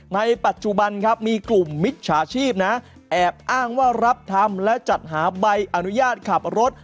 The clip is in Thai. ปัจจุบันครับมีกลุ่มมิจฉาชีพนะแอบอ้างว่ารับทำและจัดหาใบอนุญาตขับรถ